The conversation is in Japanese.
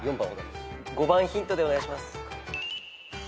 ５番ヒントでお願いします。